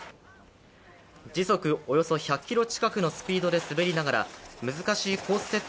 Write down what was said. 時速およそ１００ｋｍ近くのスピードで滑りながら難しいコース